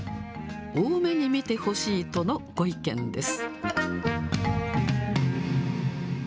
大目に見てほしいとのご意見です。